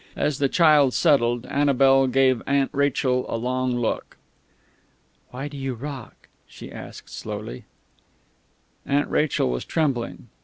As the child settled, Annabel gave Aunt Rachel a long look. "Why do you rock?" she asked slowly. Aunt Rachel was trembling.